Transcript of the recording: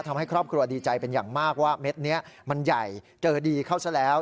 ทำให้ครอบครัวดีใจเป็นอย่างมากว่าเม็ดนี้มันใหญ่เจอดีเข้าซะแล้ว